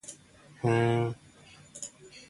ふーん